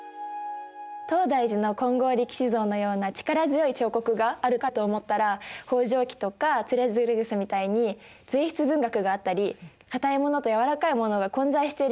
東大寺の金剛力士像のような力強い彫刻があるかと思ったら「方丈記」とか「徒然草」みたいに随筆文学があったり硬いものと軟らかいものが混在しているような印象があった。